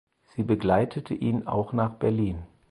Sie begleitete ihn auch nach Berlin.